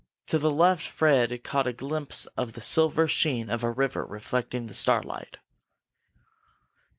To the left Fred caught a glimpse of the silver sheen of a river reflecting the starlight.